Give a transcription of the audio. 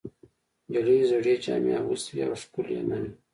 نجلۍ زړې جامې اغوستې وې او ښکلې نه وه.